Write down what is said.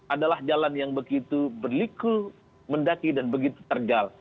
adalah jalan yang begitu berliku mendaki dan begitu tergal